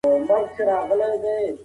د کتاب او ژوند ترمنځ اړيکه وپېژنئ.